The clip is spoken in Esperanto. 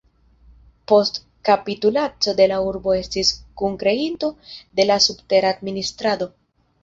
Post kapitulaco de la urbo estis kunkreinto de la subtera administrado.